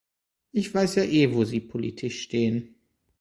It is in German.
Ich weiß ja eh, wo Sie politisch stehen.